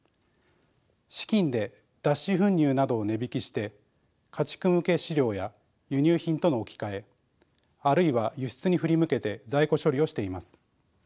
資金で脱脂粉乳などを値引きして家畜向け飼料や輸入品との置き換えあるいは輸出に振り向けて在庫処理をしています。